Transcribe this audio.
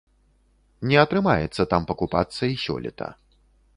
Не атрымаецца там пакупацца і сёлета.